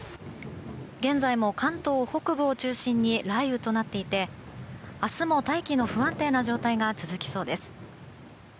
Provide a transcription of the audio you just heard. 現在も関東北部を中心に雷雨となっていて明日も大気の不安定な状態が続きそうです。